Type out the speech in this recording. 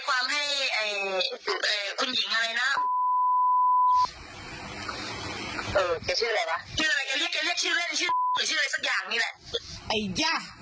อ๋อเป็นที่ปรึกษาให้กับคน